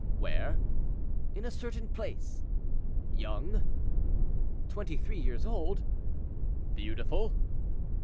"Where?" "In a certain place." "Young?" "Twenty three years old." "Beautiful?"